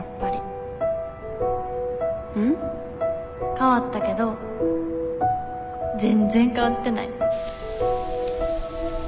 変わったけど全然変わってない。